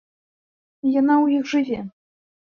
Яна ў іх жыве.